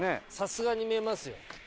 さすがに見えますよ。